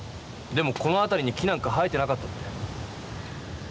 でもこのあたりに木なんか生えてなかったって。